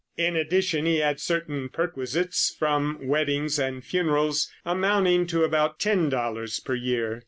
In addition he had certain perquisites from weddings and funerals, amounting to about $10 per year.